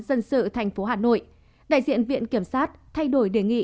dân sự thành phố hà nội đại diện viện kiểm sát thay đổi đề nghị